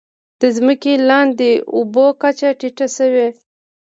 د ځمکې لاندې اوبو کچه ټیټه شوې؟